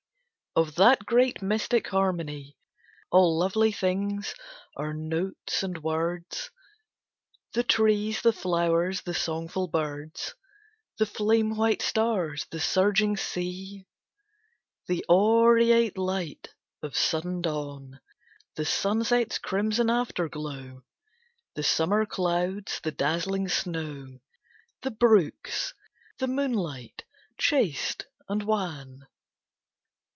Of that great mystic harmony, All lovely things are notes and words The trees, the flow'rs, the songful birds, The flame white stars, the surging sea, The aureate light of sudden dawn, The sunset's crimson afterglow, The summer clouds, the dazzling snow, The brooks, the moonlight chaste and wan.